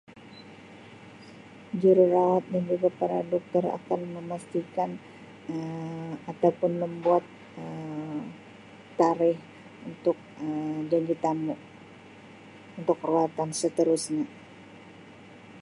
Jururawat dan juga para Doktor akan memastikan Um ataupun membuat Um tarikh untuk Um janjitamu untuk rawatan seterusnya.